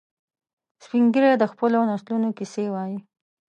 سپین ږیری د خپلو نسلونو کیسې وایي